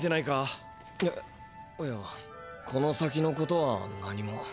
えっいやこの先のことは何も。